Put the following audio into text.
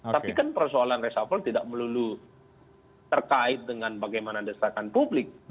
tapi kan persoalan reshuffle tidak melulu terkait dengan bagaimana desakan publik